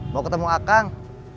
mau ketemu akang